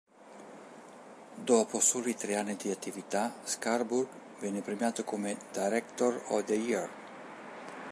Dopo soli tre anni di attività, Scarborough viene premiato come "Director of the Year".